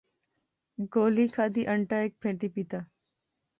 گولی کھادی، انٹا ہیک پھینٹی پی تہ